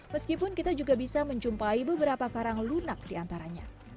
meskipun kita juga bisa menjumpai beberapa karang lunak diantaranya